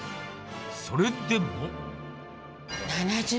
それでも。